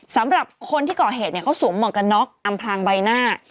สำหรับคนที่ก่อเหตุเนี่ยเขาสวมหมวกกันน็อกอำพลางใบหน้า